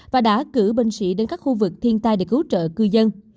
và đã cử binh sĩ đến các khu vực thiên tai để cứu trợ cư dân